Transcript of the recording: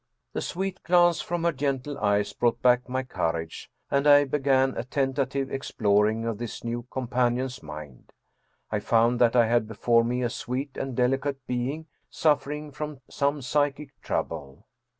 The sweet glance from her gentle eyes brought back my courage, and I began a tentative exploring of this new companion's mind. I found that I had before me a sweet and delicate being, suffering from some psychic trouble.